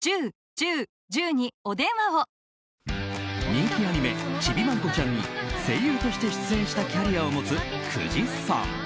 人気アニメ「ちびまる子ちゃん」に声優として出演したキャリアを持つ久慈さん。